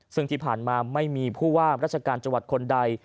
ซึ่งที่ผ่านมาไม่มีผู้ว่าราชการจังหวัดคนใด